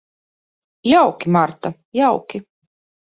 Jauki, Marta, jauki.